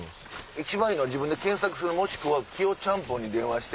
一番いいのは自分で検索するもしくはキヨちゃんぽんに電話して。